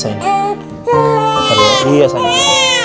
bentar ya iya sayang